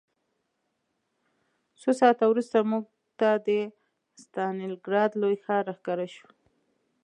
څو ساعته وروسته موږ ته د ستالینګراډ لوی ښار ښکاره شو